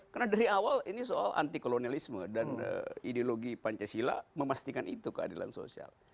karena dari awal ini soal anti kolonialisme dan ideologi pancasila memastikan itu keadilan sosial